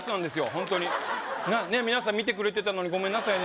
ホントに皆さん見てくれてたのにごめんなさいね